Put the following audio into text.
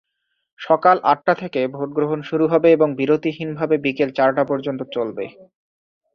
সকাল আটটা থেকে ভোটগ্রহণ শুরু হবে এবং বিরতিহীনভাবে বিকেল চারটা পর্যন্ত চলবে।